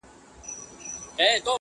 په علاج یې سول د ښار طبیبان ستړي-